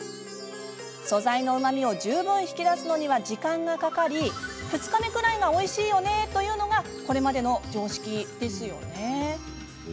素材のうまみを十分、引き出すのには時間がかかり２日目くらいがおいしいよねというのがこれまでの常識ですよね。